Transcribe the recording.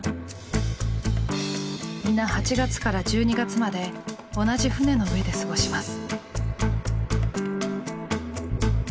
皆８月から１２月まで同じ船の上で過ごします。